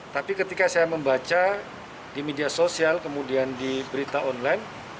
tapi ketika saya membaca di media sosial kemudian di berita online